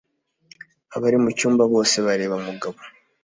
Abari mucyumba bose bareba Mugabo.